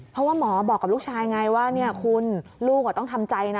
เพราะว่าหมอบอกกับลูกชายไงว่าคุณลูกต้องทำใจนะ